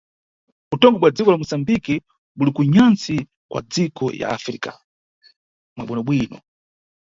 Utongi bwa dziko la Moçambique buli ku nyantsi kwa, madziko ya Africa, mwa bwino-bwino.